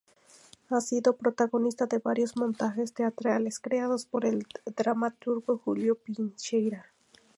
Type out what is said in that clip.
Ha sido protagonista de varios montajes teatrales creados por el dramaturgo Julio Pincheira.